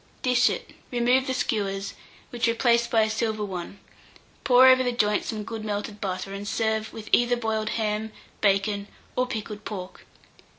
Dish it, remove the skewers, which replace by a silver one; pour over the joint some good melted butter, and serve with either boiled ham, bacon, or pickled pork.